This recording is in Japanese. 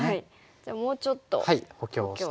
じゃあもうちょっと補強して。